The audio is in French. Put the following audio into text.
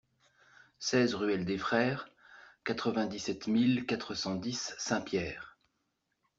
seize ruelle des Frères, quatre-vingt-dix-sept mille quatre cent dix Saint-Pierre